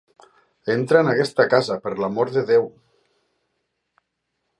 Entra en aquesta casa, per l"amor de Déu!